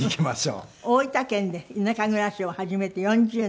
大分県で田舎暮らしを始めて４０年。